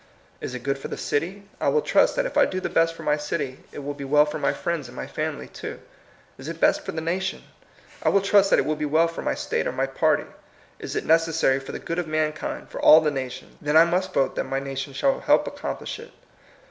Is it good for the city? I will trust that if I do the best for my city, it will be well for my friends and my family too. Is it best for the nation? I will trust that it will be well for my State or my party. Is it necessary for the good of mankind, for all the nations? Then I must vote that my nation shall help accomplish it.